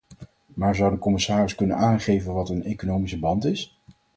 Maar zou de commissaris kunnen aangeven wat een economische band is?